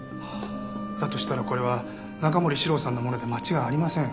だとしたらこれは中森司郎さんのもので間違いありません。